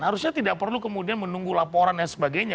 harusnya tidak perlu kemudian menunggu laporan dan sebagainya